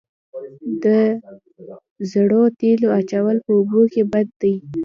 د زړو تیلو اچول په اوبو کې بد دي؟